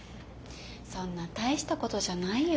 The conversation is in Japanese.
そんな大したことじゃないよ。